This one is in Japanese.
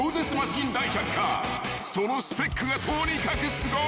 ［そのスペックがとにかくすごい］